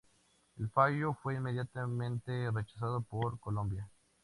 El fallo fue inmediatamente rechazado por Colombia.